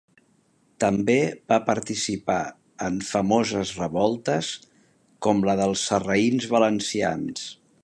També va participar en famoses revoltes, com les dels sarraïns valencians.